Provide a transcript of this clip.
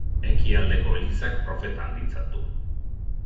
Ekialdeko Elizak profeta handitzat du.